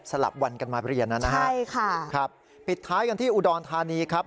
สลับวันกันมาเรียนนะครับพิดท้ายกันที่อุดรธานีครับ